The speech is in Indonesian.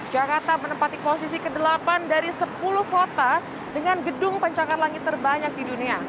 jakarta menempati posisi ke delapan dari sepuluh kota dengan gedung pencakar langit terbanyak di dunia